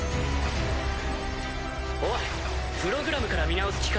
おいプログラムから見直す気か？